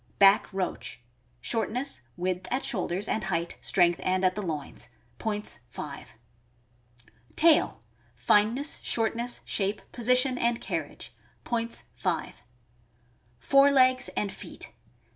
Back roach. — Shortness, width at shoulders, and height, strength, and at the loins. Points, 5. Tail. — Fineness, shortness, shape, position, and carriage. Points, 5. Fore legs and feet.